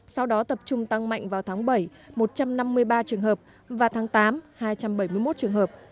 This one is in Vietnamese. sau đó tập trung tăng mạnh vào tháng bảy một trăm năm mươi ba trường hợp và tháng tám hai trăm bảy mươi một trường hợp